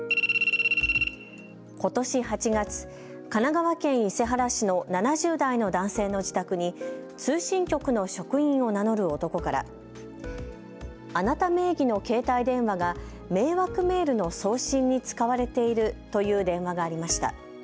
ことし８月、神奈川県伊勢原市の７０代の男性の自宅に通信局の職員を名乗る男からあなた名義の携帯電話が迷惑メールの送信に使われているという電話がありました。